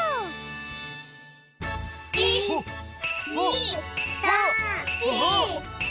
１２３４５！